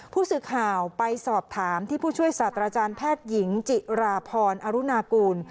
ผู้สื่อข่าวไปสอบถามที่ผู้ช่วยศาสตราจารย์แพทย์หญิงจิราพรอรุณากูล